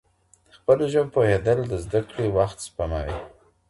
په خپله ژبه پوهېدل د زده کړې وخت سپموي.